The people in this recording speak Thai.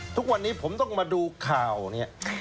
ทุกวันนี้ผมต้องมาดูข่าวเนี่ย